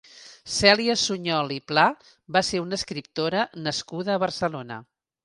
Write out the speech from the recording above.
Cèlia Suñol i Pla va ser una escriptora nascuda a Barcelona.